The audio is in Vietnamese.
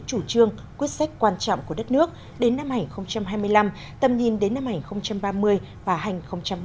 chủ trương quyết sách quan trọng của đất nước đến năm hai nghìn hai mươi năm tầm nhìn đến năm hai nghìn ba mươi và hành hai nghìn bốn mươi năm